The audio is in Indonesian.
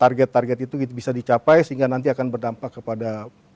target target itu bisa dicapai sehingga nanti akan berdampak kepada